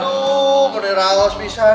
aduh beneran auspisan